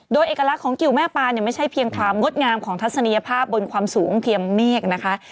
โดยเอกลักษณ์ของกิวแม่ปานเนี่ยไม่ใช่เพียงความงดงามของทัศนียภาพบนความสูงเทียมเมฆนะคะ